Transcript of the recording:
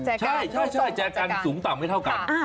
ใช่แจกันสูงต่ำไม่เท่ากัน